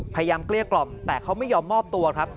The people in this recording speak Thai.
พยายามเกลี้ยกรอบแต่เขาไม่ยอมมอบตัวครับ